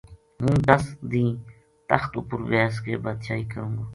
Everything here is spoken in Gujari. ہوں دَس دیہنہ تخت اُپر بیس کے بادشاہی کروں گو